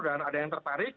dan ada yang tertarik